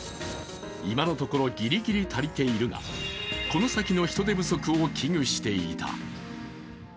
今のところギリギリ足りているがこの先の人手不足を危惧していた。